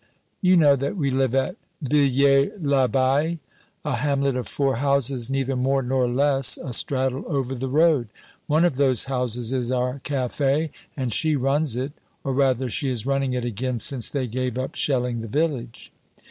You know that we live at Villers l'Abbaye, a hamlet of four houses neither more nor less, astraddle over the road. One of those houses is our cafe, and she runs it, or rather she is running it again since they gave up shelling the village.